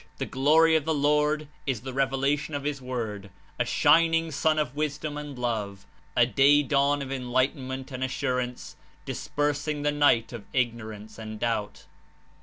The "glory of the Lord" is the revelation of his Word, a shining Sun of wisdom and love, a Day dawn of enlighten ment and assurance dispersing the night of ignorance and doubt.